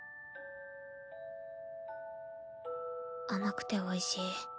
甘くておいしい。